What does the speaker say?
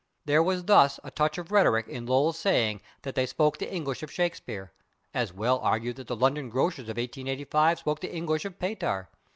There was thus a touch of rhetoric in Lowell's saying that they spoke the English of Shakespeare; as well argue that the London grocers of 1885 spoke the English of Pater.